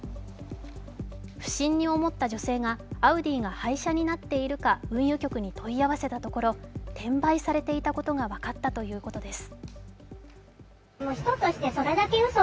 不審に思った女性が、アウディが廃車になっているか運輸局に問い合わせたところ、転売されていたことが分かったということです。